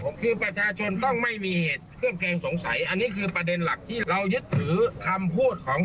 ผมคือประชาชนต้องไม่มีเหตุเครื่องแคลงสงสัยอันนี้คือประเด็นหลักที่เรายึดถือคำพูดของ